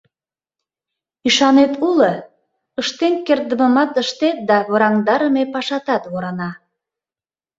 Ӱшанет уло — ыштен кертдымымат ыштет да ворандарыдыме пашатат ворана.